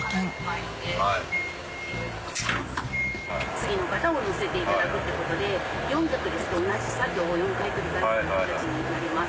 次の方を乗せていただくということで４脚ですと同じ作業を４回繰り返す形になります。